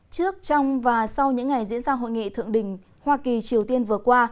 trước trong và sau những ngày diễn ra hội nghị thượng đỉnh hoa kỳ triều tiên vừa qua